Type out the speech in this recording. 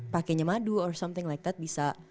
pakenya madu or something like that bisa